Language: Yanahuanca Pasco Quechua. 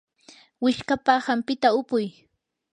wishqapa hampita upuy.